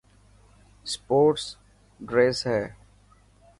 اسپورٽس ڊريسن هي.